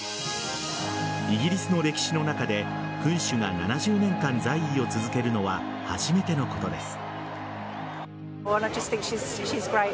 イギリスの歴史の中で君主が７０年間在位を続けるのは初めてのことです。